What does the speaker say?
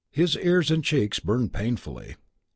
His ears and cheeks burned painfully.